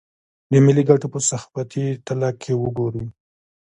د ملي ګټو په صحافتي تله که وګوري.